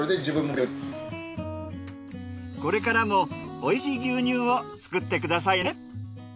これからもおいしい牛乳を作ってくださいね。